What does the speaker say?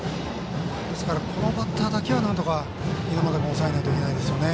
ですから、このバッターだけはなんとか猪俣君抑えないといけないですよね。